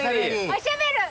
おしゃべる。